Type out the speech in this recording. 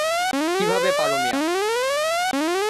কিভাবে পারো মিয়া?